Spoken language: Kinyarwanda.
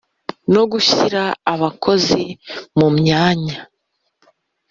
no gushyira abakozi mu myanya